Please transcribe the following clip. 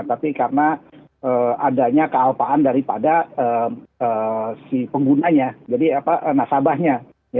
tapi karena adanya kealpaan daripada si penggunanya jadi nasabahnya